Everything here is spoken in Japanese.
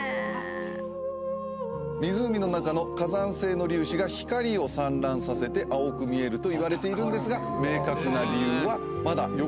湖の中の火山性の粒子が光を散乱させて青く見えるといわれているんですが明確な理由はまだよく分かってない。